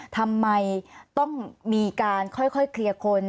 ทำไมต้องมีการค่อยเคลียร์คน